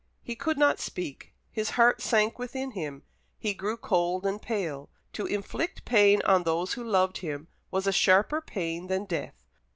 He could not speak, his heart sank within him, he grew cold and pale; to inflict pain on those who loved him was a sharper pain than death.